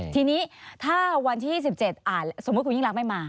ทีนี้ถ้าวันที่๒๗อ่านสมมุติคุณยิ่งรักไม่มา